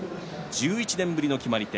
１１年ぶりの決まり手。